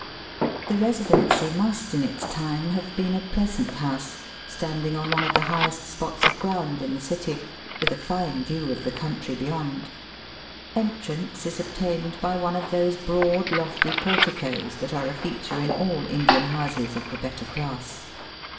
The Eesidency must in its time have been n pleasant house, standing on one of the Digitized by VjOOQIC 2M EAST BY WEST. highest spots of ground in tlie city, with a fine view of the country beyond. Entrance is obtained by one of those broad, lofty porticoes that are a feature in all Indian houses of the better class.